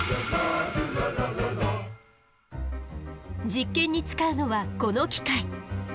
実験に使うのはこの機械。